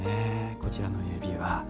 こちらの指輪。